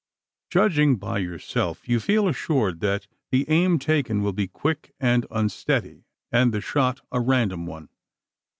Judging by yourself, you feel assured that the aim taken will be quick and unsteady, and the shot a random one.